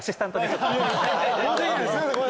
すいません。